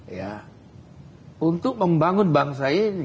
ya untuk membangun bangsa ini